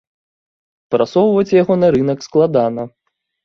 Прасоўваць яго на рынак складана.